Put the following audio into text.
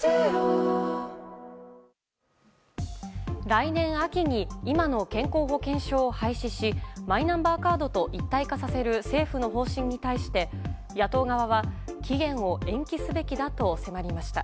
来年秋に今の健康保険証を廃止しマイナンバーカードと一体化させる政府の方針に対して野党側は期限を延期すべきだと迫りました。